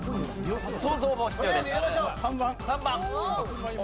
想像も必要です。